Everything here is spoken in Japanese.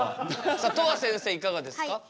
さあとわせんせいいかがですか？